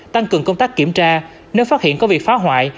tăng cường công tác kiểm tra nếu phát hiện có việc phá hoại